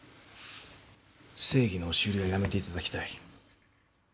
正義の押し売りはやめていただきたい